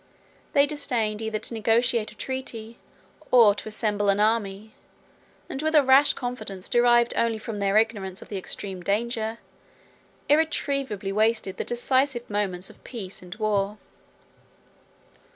They disdained either to negotiate a treaty, or to assemble an army; and with a rash confidence, derived only from their ignorance of the extreme danger, irretrievably wasted the decisive moments of peace and war.